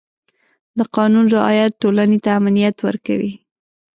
د قانون رعایت ټولنې ته امنیت ورکوي.